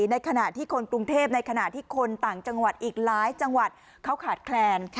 ในขณะที่คนกรุงเทพในขณะที่คนต่างจังหวัดอีกหลายจังหวัดเขาขาดแคลน